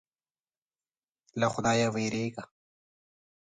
له خدایه وېرېږه.